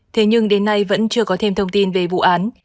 thế nhưng đến nay vẫn chưa có thêm thông tin về vụ án